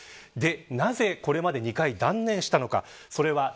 なぜ、これまで２度断念したのか。